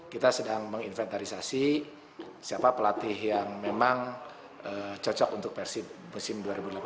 kita sedang menginventarisasi siapa pelatih yang memang cocok untuk persib musim dua ribu delapan belas